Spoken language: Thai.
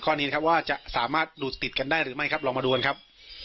นี้ครับว่าจะสามารถดูดติดกันได้หรือไม่ครับลองมาดูกันครับ